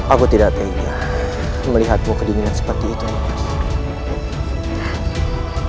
aku tidak ingin melihatmu kedinginan seperti itu mas